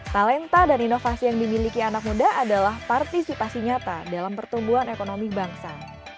talenta dan inovasi yang dimiliki anak muda adalah partisipasi nyata dalam pertumbuhan ekonomi bangsa